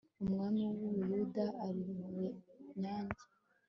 umwami w'u buyuda ari mu bunyage